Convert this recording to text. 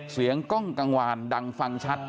กล้องกังวานดังฟังชัด